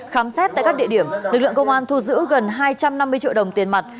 khám xét tại các địa điểm lực lượng công an thu giữ gần hai trăm năm mươi triệu đồng tiền mặt